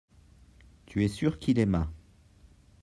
tu es sûr qu'il aima.